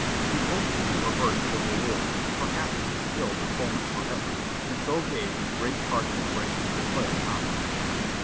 He hoped to avert civil war, perhaps to still the tumult forever, and so gave his great heart and brain to the Clay compromise.